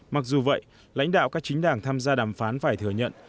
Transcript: mặc dù vậy lãnh đạo các chính đảng tham gia đàm phán phải thừa nhận